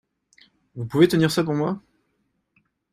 Vous pouvez tenir ça pour moi ?